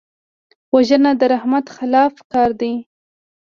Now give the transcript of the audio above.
وژنه د رحمت خلاف کار دی